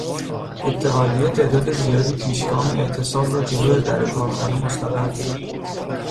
اتحادیه تعداد زیادی پیشگام اعتصاب را جلو در کارخانه مستقر کرد.